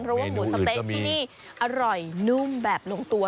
รู้ว่าหมูส้มเต็ปอร่อยนุ่มแบบลงตัว